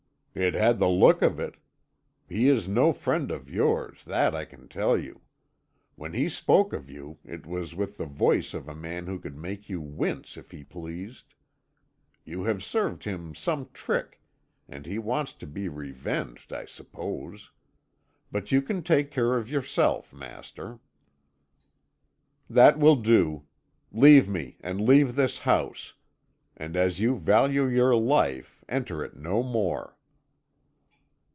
"It had the look of it. He is no friend of yours, that I can tell you. When he spoke of you it was with the voice of a man who could make you wince if he pleased. You have served him some trick, and he wants to be revenged, I suppose. But you can take care of yourself, master." "That will do. Leave me and leave this house, and as you value your life, enter it no more."